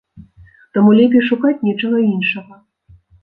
Таму лепей шукаць нечага іншага.